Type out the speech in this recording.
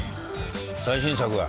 最新作は？